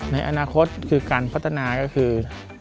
ในอนาคตการพัฒนาคือ